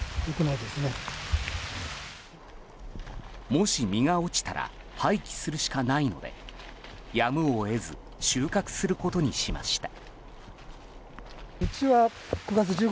もし実が落ちたら廃棄するしかないのでやむを得ず収穫することにしました。